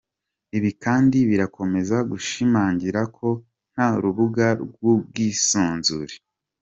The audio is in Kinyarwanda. Ibi kandi birakomeza gushimangira ko nta rubuga rw’ubwisanzure